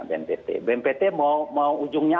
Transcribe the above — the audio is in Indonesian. bnpt bnpt mau ujungnya